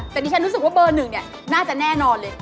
แต่ดิฉันรู้สึกว่าเบอร์หนึ่งเนี่ยน่าจะแน่นอนเลย